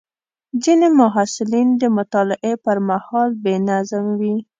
ځینې محصلین د مطالعې پر مهال بې نظم وي.